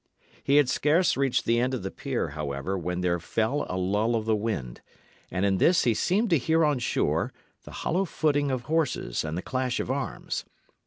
He had scarce reached the end of the pier, however, when there fell a lull of the wind; and in this he seemed to hear on shore the hollow footing of horses and the clash of arms.